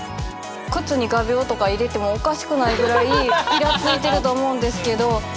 靴に画びょうとか入れてもおかしくないぐらいいらついてると思うんですけど。